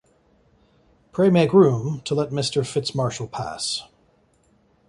Pray make room, to let Mr. Fitz-Marshall pass.